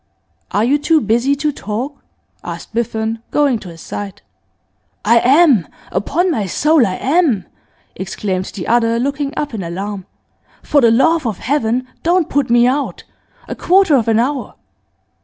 'Are you too busy to talk?' asked Biffen, going to his side. 'I am! Upon my soul I am!' exclaimed the other looking up in alarm. 'For the love of Heaven don't put me out! A quarter of an hour!